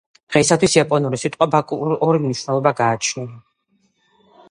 დღეისათვის, იაპონურ სიტყვა ბაკუს ორი მნიშვნელობა გააჩნია.